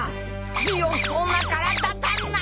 強そうな体だな！